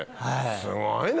すごいね。